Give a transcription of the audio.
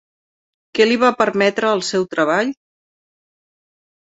Què li va permetre el seu treball?